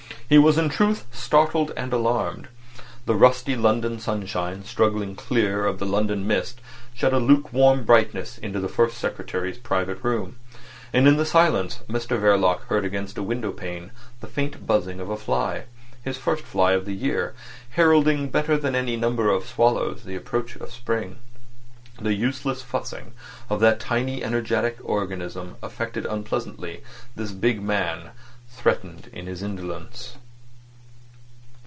He was, in truth, startled and alarmed. The rusty London sunshine struggling clear of the London mist shed a lukewarm brightness into the First Secretary's private room; and in the silence Mr Verloc heard against a window pane the faint buzzing of a fly—his first fly of the year—heralding better than any number of swallows the approach of spring. The useless fussing of that tiny energetic organism affected unpleasantly this big man threatened in his indolence.